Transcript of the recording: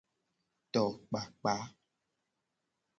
Tokpakpa.